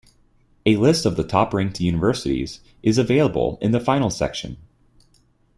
A list of top ranked universities is available in the final section.